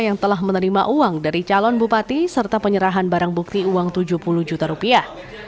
yang telah menerima uang dari calon bupati serta penyerahan barang bukti uang tujuh puluh juta rupiah